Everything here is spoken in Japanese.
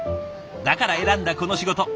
だから選んだこの仕事。